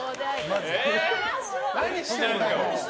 何してんだよ。